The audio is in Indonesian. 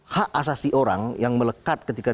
hak asasi orang yang melekat ketika